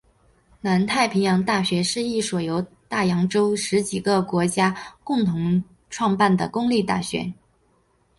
南太平洋大学是一所由大洋洲十几个国家共同创办的公立大学。